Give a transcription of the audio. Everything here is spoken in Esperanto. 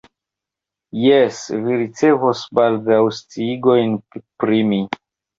Jes, vi ricevos baldaŭ sciigojn pri mi.